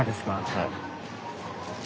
はい。